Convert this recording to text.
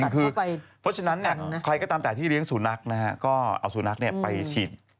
เพราะฉะนั้นใครก็ตามแต่ที่เลี้ยงสุนัขก็เอาสุนัขไปฉีด